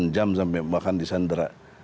delapan jam sampai makan di sandera